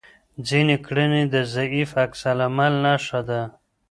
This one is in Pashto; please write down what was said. ځینې کړنې د ضعیف عکس العمل نښه ده.